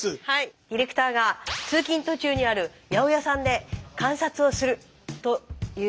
ディレクターが通勤途中にある八百屋さんで観察をするという。